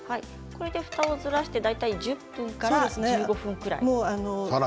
ふたをずらして１０分から１５分ぐらい。